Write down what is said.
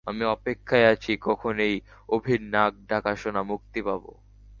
আমি অপেক্ষায় আছি কখন এই অভির নাক ডাকা শোনা মুক্তি পাবো।